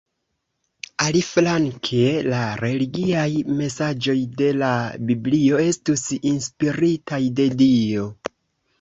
Aliflanke, la religiaj mesaĝoj de la Biblio estus inspiritaj de Dio.